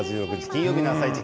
金曜日の「あさイチ」